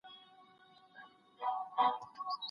ته باید د خپل ذهن د روښانتیا لپاره هڅه وکړې.